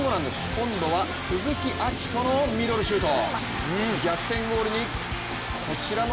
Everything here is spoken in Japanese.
今度は鈴木章斗のミドルシュート。